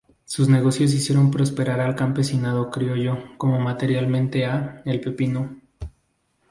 Sus negocios hicieron prosperar al campesinado criollo como materialmente a El Pepino.